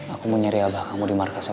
aku mau nyari abah kamu di markas abang